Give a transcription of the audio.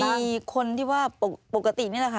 มีคนที่ว่าปกตินี่แหละค่ะ